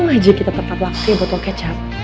tunggu aja kita tetap lakuin botol kecap